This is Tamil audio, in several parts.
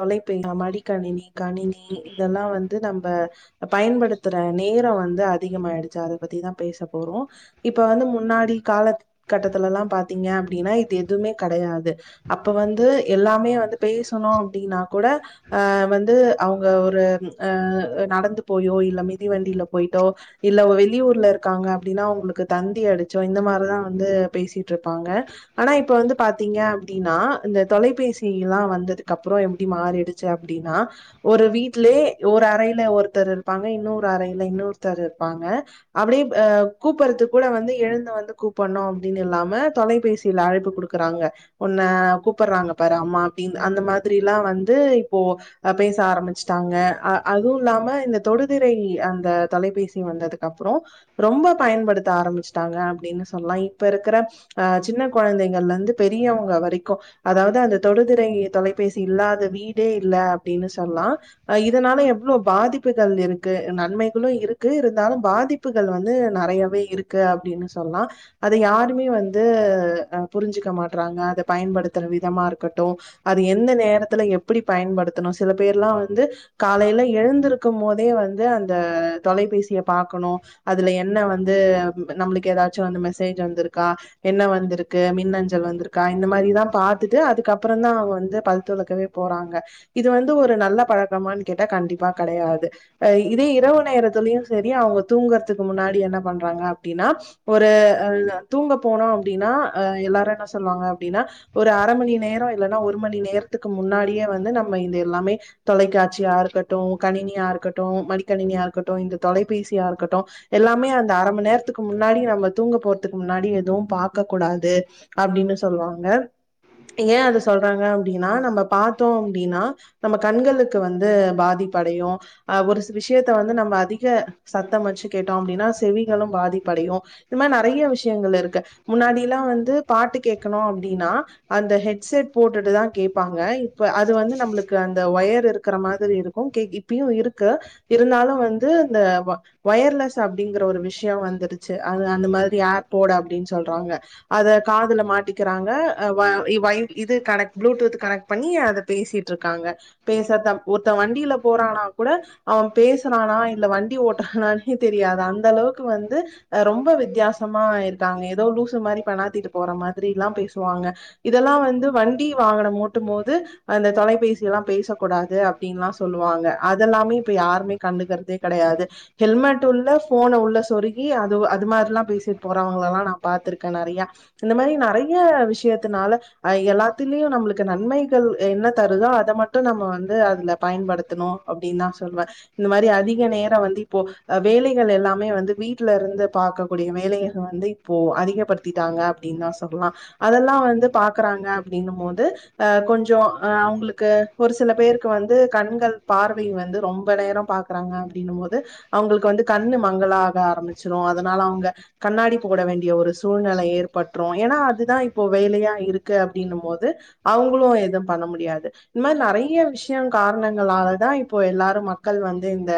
தொலைபென்ற மடிக்கணினி கணினி இதல்லா வந்து நம்ப பயன்படுத்ற நேரோ வந்து அதிகமாயிடுச்சு அத பத்திதா பேச போறோ இப்ப வந்து முன்னாடி கால கட்டத்துலல்லா பாத்தீங்க அப்டின்னா இது எதுவுமே கெடையாது அப்ப வந்து எல்லாமே வந்து பேசணூ ன்னா கூட அ வந்து அவங்க ஒரு அ நடந்து போயோ இல்ல மிதிவண்டியில பொய்ட்டோ இல்ல வெளியூர்ல இருக்காங்க அப்டின்னா அவங்ளுக்கு தந்தி அடிச்சோ இந்த மாரிதா வந்து பேசிட்டு இருப்பாங்க ஆனா இப்ப வந்து பாத்தீங்க அப்டின்னா இந்த தொலைபேசி எல்லா வந்ததுக்கப் றோ எப்டி மாறிடுச்சு அப்டின்னா ஒரு வீட்லே ஒரு அறையில ஒருத்தர் இருப்பாங்க இன்னொரு அறையில இன்னொருத்தர் இருப்பாங்க அப்டி ய் கூப்பறதுக் கூட வந்து எழுந் வந்து கூப்டணு அப்டின்னு இல்லாம தொலைபேசியில அழைப்பு கொடுக்றாங்க உன்ன கூப்றாங்க பாரு அம்மா அப்டின்னு அந்த மாரி மாதிரில்லா வந்து இப்போ பேச ஆரம்பிச்டாங்க அ அதுவு இல்லாம இந்த தொடுதிரை அந்த தொலைபேசி வந்ததுக்கப்றோ ரொம்ப பயன்படுத்த ஆரம்பிச்ட்டாங்க அப்டின்னு சொல்லா இப்ப இருக்கிற அ சின்ன கொழந்தகள்லந்து பெரியவங்க வரைக்கு அதாவது அந்த தொடுதிரை தொலை பேசி இல்லாத வீடே இல்ல அப்டின்னு சொல்லலா இதனால எவ்ளோ பாதிப்புகள் இருக்கு நன்மைகளு இருக்கு இருந்தாலு பாதிப்புகள் வந்து நறையவே இருக்கு அப்டின்னு சொல்லலா அத யாருமே வந்து புருஞ்சுக்க மாட்றாங்க அத பயன்படுத்ற விதமா இருக்கட்டு அது எந்த நேரத்துல எப்டி பயன்படுத்தணு சில பேர்லா வந்து காலையில எழுந்திருக்கும் போதே வந்து அந்த தொலைபேசிய பாக்கணு அதுல என்ன வந்து நம்மளுக்கு ஏதாச்சு வந்து மெசேஜ் வந்துருக்கா என்ன வந்துருக்கு மின்னஞ்சல் வந்துருக்கா இந்த மாரிதா பாத்தட்டு அதுக்கப்பறோ தா அவங்க வந் பல் துலக்கவே போறாங்க இது வந்து ஒரு நல்ல பழக்கமான் கேட்டா கண்டிப்பா கடையாது இதே இரவு நேரத்திலயு சரி அவங்க தூங்கற்துக்கு முன்னாடி என்ன பண்றாங்க அப்டினா ஒரு அ தூங்க போனோ அப்டினா எல்லாரு என்ன சொல்வாங்க அப்டினா ஒரு அரமணி நேரோ இல்லனா ஒரு ஒரு மணி நேரத்துக்கு முன்னாடியே வந்து நம்ம இது எல்லாமே தொலைக்காட்சியா இருக்கட்டு கணினியா இருக்கட்டு மடிக்கணினியா இருக்கட்டு இந்த தொலைபேசியா இருக்கட்டு எல்லாமே அந்த அர மணி நேரத்துக்கு முன்னாடி நம்ம தூங்க போற்துக்கு முன்னாடி எதுவு‌பாக்க கூடாது அப்டின் சொல்வாங்க ஏ அது சொல் றாங்க அப்டினா நம்ம பாத்தோ அப்டினா நம்ம கண்களுக்கு வந்து பாதிப்படையு அ ஒரு விஷயத்த வந்து நம்ம அதிக சத்தம் வச்சு கேட்டோ அப்டினா செவிகளு பாதிப்படையு இது மாரி நெறைய விஷயங்கள் இருக்கு முன்னாடில்லா வந்து பாட்டு கேக்கணு அப்டினா அந்த ஹெட்செட் போட்டுட்டு தா கேப்பாங்க இப்ப அது வந்து நம்ளுக்கு அந்த ஒயர் இருக்குற மாதிரி இருக்கு கே‌ இப்பயு இருக்கு இருந்தாலு வந்து இந்த ஒயர்லெஸ் அப்டிங்கிற ஒரு விஷயோ வந்துடுச்சு அது அந்த மாதிரி ஆப் போட அப்டின் சொல்றாங்க அத காதுல மாட்டிக்கிறாங்க அ வய் பண்ணி அத பேசிட்ருக்காங்க பேசாத ஒருத்த வண்டில போறானா கூட அவ பேசுறானா இல்ல வண்டி ஓட்றானானே தெரியாது அந்த அளவுக்கு வந்து ரொம்ப வித்தியாசமா இருக்காங்க ஏதோ லூசு மாரி பெணாத்திட்டு போற மாதிரில்லா பேசுவாங்க இதெல்லா வந்து வந்து வண்டி வாகனம் ஓட்டும் போது அந்த தொலைபேசி எல்லா பேசக்கூடாது அப்டின்லா சொல்லுவாங்க அதெல்லாமே இப்ப யாருமே கண்டுக்கறதே கடையாது ஹெல்மெட் உள்ள போன உள்ள சொருகி அது அது மாரில்லா பேசிட்டு போறவங்களல்லா நா பாத்திருக்க நறையா இந்த மாரி நறைய விஷயத்துனால அ எல்லாத்துலயு நம்ளுக்கு நன்மைகள் என்ன தருதோ அத மட்டும் நம்ம வந்து அதுல பயன்படுத்தணு அப்டின் தா சொல்லுவ இந்த மாரி அதிக நேரோ வந்து இப்போ வேலைகள் எல்லாமே வந்து வீட்ல இருந்து பாக்க கூடிய வேலைகள் வந்து இப்போ அதிகப்படுத்திட்டாங்க அப்டின் தா சொல்லா அதெல்லா வந்து பா க்றாங்க அப்டின்னும் போது அ கொஞ்சோ அ அவங்களுக்கு ஒரு சில பேருக்கு வந்து கண்கள் பார்வை வந்து ரொம்ப நேரம் பாக்குறாங்க அப்டின்னும் போது அவங்களுக்கு வந்து கண்ணு மங்களாக ஆரம்பிச்சிடும் அதனால அவங்க கண்ணாடி போட வேண்டிய ஒரு சூழ்நிலை ஏற்பட்ரும் ஏனா அதுதா இப்போ வேலையா இருக்கு கு அப்டின்னும் போது அவங்களு எதும் பண்ண முடியாது இந்த மாதி நறைய விஷயம் காரணங்களாலதா இப்போ எல்லாரு மக்கள் வந்து இந்த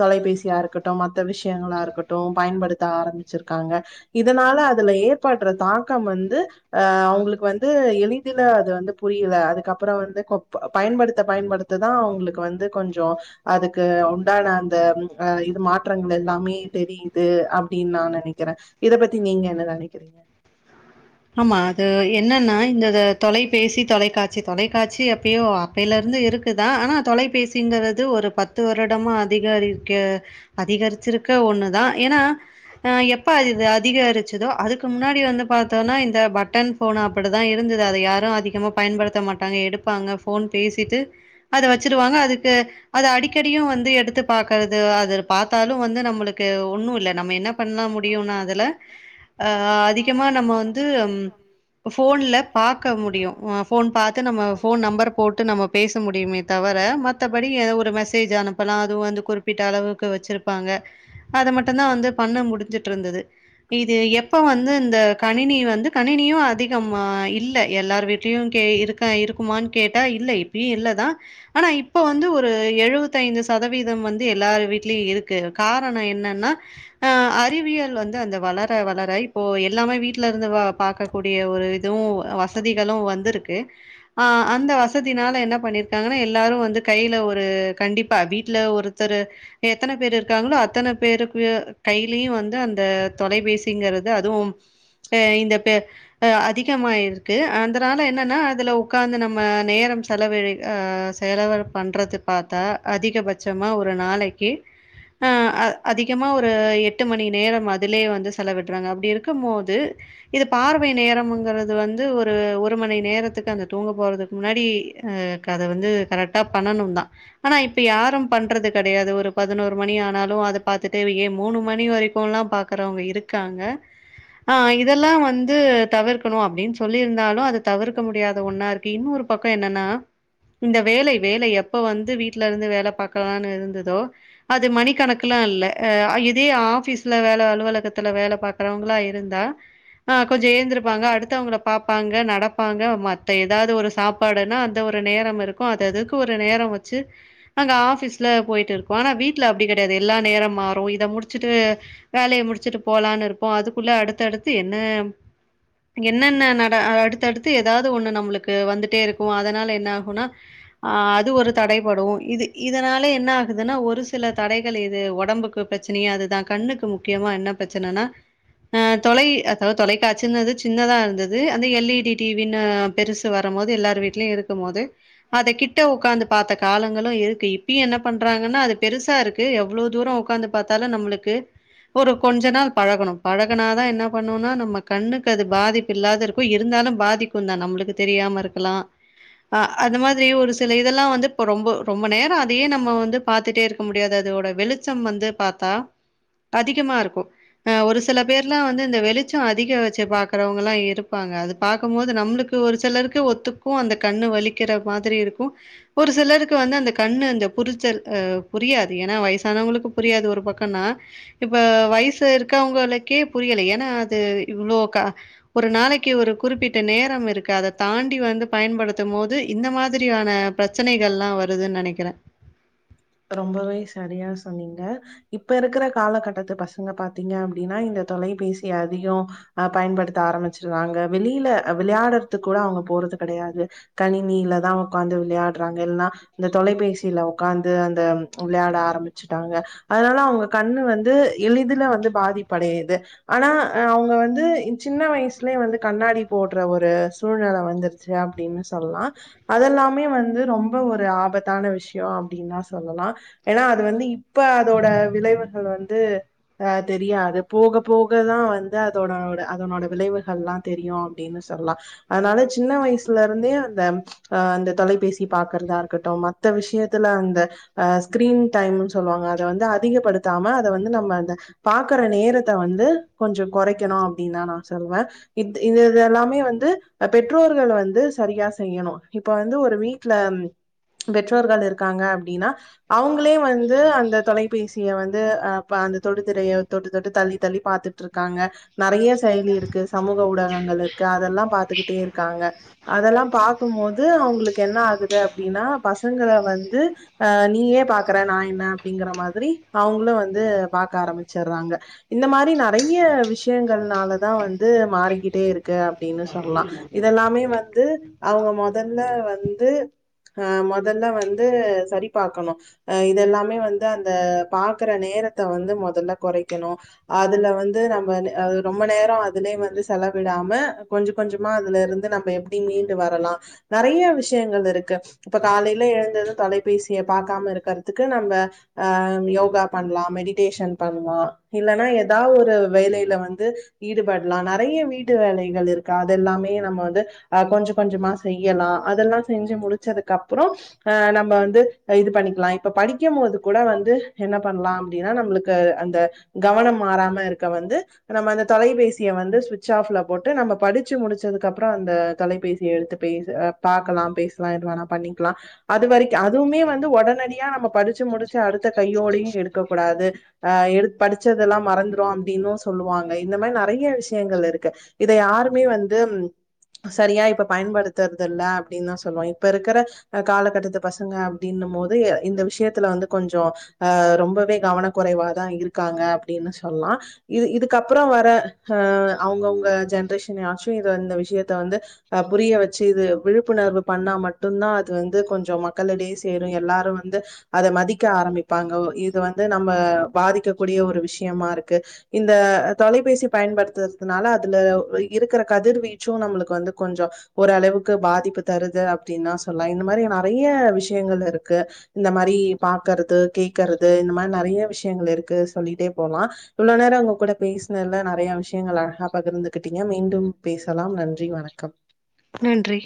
தொலைபேசியா இருக்கட்டும் மத்த விஷயங்களா இருக்கட்டு பயன்படுத்த ஆரம்பிச்சிருக்காங்க இதனால அதுல ஏற்படுற தாக்கம் வந்து அ அவங்களுக்கு வந்து ந்து எளிதில அது வந்து புரியல அதுக்கப்பறோ வந்து கொ பயன்படுத்த பயன்படுத்ததா அவங்களுக்கு வந்து கொஞ்சோ அதுக்கு உண்டான அந்த அ இது மாற்றங்கள் எல்லாமே தெரியுது அப்டின் நா நினைக்கிற இத பத்தி நீங்க என்ன நனைக்கிறீங்க ஆமா அது என்னன்னா இந்த தொலைபேசி தொலைக்காட்சி தொலைக்காட்சி எப்பயோ அப்பையில இருந்து இருக்குதா ஆனா தொலைபேசிங்கறது ஒரு பத்து வருடமா அதிகரிக்க அதிகரிச்சிருக்க ஒண்ணுதா ஏனா அ எப்ப அது அதிகரிச்சதோ அதுக்கு முன்னாடி வந்து பா தோனா இந்த பட்டன் போன் அப்படிதா இருந்தது அத யாரும் அதிகமா பயன்படுத்த மாட்டாங்க எடுப்பாங்க போன் பேசிட்டு அத வச்சிடுவாங்க அதுக்கு அது அடிக்கடியு வந்து எடுத்து பாக்கறது அது பாத்தாலு வந்து நம்மளுக்கு ஒண்ணு இல்ல நம்ம என்ன பண்ண முடியுனா அதுல அ அதிகமா நம்ம வந்து போன்ல பாக்க முடியு போன் பாத்து நம்ம போன் நம்பர் போட்டு நம்ம பேச முடியுமே தவிர மத்தபடி ஒரு மெசேஜ் அனு ப்பனா அதுவு வந்து குறிப்பிட்ட அளவுக்கு வச்சிருப்பாங்க அத மட்டுந்தா வந்து பண்ண முடிஞ்சுட்டு இருந்தது இது எப்ப வந்து இந்த கணினி வந்து கணினியு அதிகம் இல்ல எல்லார் வீட்லயு கே இருக்கா இருக்குமான்னு கேட்டா இல்ல இப்பயு இல்லதா ஆனா இப்போ வந்து ஒரு எழுபத்தை ஐந்து சதவீதம் வந்து எல்லார் வீட்லயு இருக்கு காரணோ என்னனா அ அறிவியல் வந்து அந்த வளர வளர இப்போ எல்லாமே வீட் ல இருந்து பாக்க கூடிய ஒரு இதுவு வசதிகளு வந்துருக்கு ஆ அந்த வசதினால என்ன பண்ணிருக்காங்கனா எல்லாரு வந்து கைல ஒரு கண்டிப்பா வீட்ல ஒருத்தரு எத்தன பேரு இருக்காங்களோ அத்தன பேருக்கு கையிலயு வந்து அந்த தொலைபேசிங்கறது அதுவு ப இந்த ப அ அதிகமாயிருக்கு அதனால என்னன்னா அதுல உக்காந்து நம்ம நேரம் செலவிட் அ செலவு பண்றது பாத்தா அதிகபட்சமாக ஒரு நாளைக்கு அதிகமா ஒரு எட்டு மணி நேரம் அதிலே வந்து செலவிடறாங்க அப்டி இருக்கும் போது இது பார்வை நேரம்ங்கிறது வந்து ஒரு ஒரு மணி நேரத்துக்கு அந்த தூங்க போறதுக்கு முன்னாடி அ அத வந்து கரெக்டா பண்ணணுந்தா ஆனா இப்ப யாரும் பண்றது கடையாது ஒரு பதினோரு மணி ஆனாலு அத பாத்துட்டே ஏ மூணு மணி வரைக்குலா பாக்குறவங்க இருக்காங்க ஆ இதெல்லா வந்து தவிர்க்கணு அப்டின்னு சொல்லிருந்தாலு அது தவிர்க்க முடியாத ஒண்ணா இருக்கு இன்னொரு பக்கோ என்னன்னா இந்த வேலை வேலை எப்ப வந்து வீட்ல இருந்து வேலை பாக்கலாம்னு இருந்ததோ அது மணிக்கணக்குலா இல்ல இதே ஆபீஸ்ல வேல அலுவலகத்துல வேல பாக்கறவங்களா இருந்தா ஆ‌ கொஞ்சோ ஏழுந்துருப்பாங்க அடுத்தவங்கள பாப்பாங்க நடப்பாங்க மத்த ஏதாது ஒரு சாப்பாடுன்னா அந்த ஒரு நேரம் இருக்கும் அது அதுக்கு ஒரு நேரோ வச்சு அங்க ஆபீஸ்ல போய்ட்டு இருக்கோ ஆனா வீட்ல அப்டி கடையாது எல்லா நேரம் மாறும் இத முடிச்சுட்டு வேலைய முடிச்சுட்டு போலான்னு இருப்போ அதுக்குள்ள அடுத்தடுத் து என்ன என்னென்ன நட அடுத்தடுத்து ஏதாவது ஒண்ணு நம்மளுக்கு கு வந்துட்டே இருக்கு அதனால என்ன ஆகுனா ஆ அது ஒரு தடைபடு இது இதனால என்ன ஆகுதுனா ஒரு சில தடைகள் இது ஒடம்புக்கு பிரச்சனையே அதுதா கண்ணுக்கு முக்கியமா என்ன பிரச்சனைன்னா ஆ தொலை அதாது தொலைக்காட்சின்னது சின்னதாக இருந்தது அந்த எல்இடி டிவின்னு பெருசு வரும்போது எல்லார் வீட்லயு இருக்கும் போது அத கிட்ட உக்காந்து பாத்தக் காலங்களு இருக்கு இப்பியு என்ன பண்றாங்கன்னா அது பெருசா இருக்கு எவ்ளோ தூரோ உக்காந்து பாத்தாலு நம்ளுக்கு ஒரு கொஞ்ச நாள் பழகணு பழகனாதா என் ன பண்ணுனா நம்ம கண்ணுக்கு அது பாதிப்பு இல்லாது இருக்கு இருந்தாலு பாதிக்குந்தா நம்ளுக்கு தெரியாம இருக்கலா அ அந்த மாதிரி ஒரு சில இதெல்லா வந்து இப்ப ரொம்போ ரொம்ப நேரோ அதையே நம்ம வந்து பாத்துட்டே இருக்க முடியாது அதோட வெளிச்சம் வந்து பாத்தா அதிகமா இருக்கு ஆ ஒரு சில பேர்லா வந்து அந்த வெளிச்சோ அதிக வச்சு பாக்கறவங்கல்லா இருப்பாங்க அது பாக்கம்போது நம்ளுக்கு ஒரு செலருக்கே ஒத்துக்கு அந்த கண்ணு வலிக்கிற மாதிரி இருக்கு ஒரு சிலருக்கு வந்து அந்த கண்ணு இந்த புரிச்சல் புரியாது ஏனா வயசானவங்களுக்கு புரியாது ஒரு பக்கோன்னா இப்ப வயசு இருக்கவங்களுக்கே புரியல ஏனா அது இவ்ளோ க ஒரு நாளைக்கி ஒரு குறிப்பிட்ட நேரம் இருக்கு அத தாண்டி வந்து பயன்படுத்தும் போது இந்த மாதிரியான பிரச்சனைகள்ல்லா வருதுன் நனைக்கிற ரொம்பவே சரியா சொன்னீங்க இப்ப இருக்கிற காலகட்டத்து பசங்க பாத்தீங்க அப்டினா இந்த தொலைபேசி அதிகோ அ பயன்படுத்த ஆரம்பிச்சடுறாங்க வெளில வெளையாடுறக்கூட அவங்க போறது கெடையாது கணினியிலதா உக்காந்து விளையாடுறாங்க இல்ன்னா இந்த தொலைபேசியில உக்காந்து இது அந்த விளையாட ஆரம்பிச்சுட்டாங்க அதனால அவங்க கண்ணு வந்து எளிதுல வந்து பாதிப்படையுது ஆனா அவங்க வந்து சின்ன வயசுலே வந்து கண்ணாடி போடுற ஒரு சூழ்நில வந்துருச்சு அப்டின்னு சொல்லா அதெல்லாமே வந்து ரொம்ப ஒரு ஆபத்தான விஷயோ அப்டினா சொல்லலா ஏனா அது வந்து இப்ப அதோட விளைவுகள் வந்து ஆ தெரியாது போக போகதா வந்து அதோட அதனோட விளைவுகள்ல்லா தெரியு அப்டின்னு சொல்லா அதனால சின்ன வயசுல இருந்தே அந்த அ அந்த தொலைபேசி பாக்கறதா இருக்கட்டும் மத்த விஷயத் இதுல அந்த அ ஸ்க்ரீன் டைம்ன் சொல்லுவாங்க அத வந்து அதிகப்படுத்தாம அத வந்து நம்ம அந்த பாக்குற நேரத்த வந்து கொஞ்சோ கொறைக்கணு அப்டின்னா நா சொல்வ இது இது இதெல்லாமே வந்து பெற்றோர்கள் வந்து சரியா செய்யணு இப்ப வந்து ஒரு வீட்ல பெற்றோர்கள் இருக் காங்க அப்டினா அவங்களே வந்து அந்த தொலைபேசிய வந்து அ ப அந்த தொடு திரைய தொட்டு தொட்டு தள்ளி தள்ளி பாத்துட்டு இருக்காங்க நறைய செயலி இருக்கு சமூக ஊடகங்கள் இருக்கு அதெல்லா பாத் துகிட்டே இருக்காங்க அதெல்லா பாக்கும் போது அவங்களுக்கு என்ன ஆகுது அப்டினா பசங்கள வந் து அ நீயே பாக்குற நா என்ன அப்டிங்கிற மாதிரி அவங்களு வந்து பாக்க ஆரம்பிச்சிற்றாங்க இந்த மாரி நறைய விஷயங்கள்னாலதா வந்து மாறிக்கிட்டே இருக்கு அப்டின்னு சொல்லா இதெல்லாமே வந்து அவங்க மொதல்ல வந்து அ மொதல்ல வந்து து சரிபாக்கணு அ இதெல்லாமே வந்து அந்த பாக்குற நேரத்த வந்து மொதல்ல கொறைக்கணு அதுல வந்து நம்ம ரொம்ப நேரோ அதுலே வந்து செலவிடாம கொஞ்ச கொஞ்சமா அதுல இருந்து நம்ம எப்டி மீண்டு வரலா நறைய விஷயங்கள் இருக்கு இப்ப காலைல எழுந்தது தொலைபேசிய பாக்காம இருக்கற்துக்கு நம்ம ஆ யோகா பண்லா மெடிடேஷன் பண்லா இல்லனா ஏதா ஒரு வேலைல வந்து ஈடுபட்லா நறைய வீட்டு வேலைகள் இருக்கு அதெல்லாமே நம்ம வந்து அ கொஞ்ச கொஞ்சமா செய்யலா அதெல்லா செஞ்சு முடிச்சதுக்கு அப்புறோ அ நம் ம வந்து பண்ணிக்லா இப்ப படிக்கும் போது கூட வந்து என்ன பண்லா அப்டினா நம்ளுக்கு அந்த கவனம் மாறாம இருக்க வந்து நம்ம அந்த தொலைபேசிய வந்து சுவிட்ச் ஆப்ல போட்டு நம்ம படிச்சு முடிச்சதுக்கப்றோ அந்த தொலைபேசிய எடுத்து பே பாக்கலா பேஸ்லா எது வேணா பண்ணிக்கலா அது வரைக் அதுவுமே வந்து ஒடனடியா நம்ம படிச் ச்சு முடிச்சு அடுத்த கையோடயு எடுக்கக்கூடாது அ எது படிச்சதெல்லாம் மறந்துடும் அப்படின்னும் சொல்லுவாங்க இந்த மாதிரி நறைய விஷய விஷயங்கள் இருக்கு இது இத யாருமே வந்து சரியா இப்ப பயன்படுத்துறது இல்ல அப்படின்னு தான் சொல்லுவம் இப்ப இருக்கிற காலகட்டத்தில் பசங்க அப்படின்னும்போது இந்த விஷயத்துல வந்து கொஞ்சம் அ ரொம்பவே கவன குறைவாதான் இருக்காங்க அப்படின்னு சொல்லலாம் இது இதுக்கப்புறம் வர அ அவங்கவுங்க ஜென்ரேஷன்ச்சும் இந்த விஷயத்த வந்து் புரிய வெச்சு இது விழிப்புணர்வு பண்ணா மட்டும்தான் அது வந்து கொஞ்சம் மக்களிடையே சேரும் எல்லாரும் வந்து அத மதிக்க ஆரம்பி ப்பங்க இது வந்து நம்ம பாதிக்கக்க கூடிய ஒரு விஷயமா இருக் இந்த தொலைபேசி பயன்படுத்துறதுனால அதுல இருக்கிற கதிர்வீச்சும் நம்மளுக்கு வந்து கொஞ்சம் ஓரளவுக்கு பாதிப்பு தருது அப்படின்னா சொல்லாம் இந்த மாதிரி நறைய விஷயங்கள் இருக்கு இந்த மாதிரி பார்கறது கே்கறது இந்த மாதிரி நெறைய விஷயங்கள் இருக்கு சொல்லிட்டே போலாம் இல்ல நேரம் அங்க கூட பேசுனதுல நெறைய விஷயங்கள் அழகா பகிர்ந்துகிட்டீங்க மீண்டும் பேசலாம் நன்றி வணக்கம் நன்றி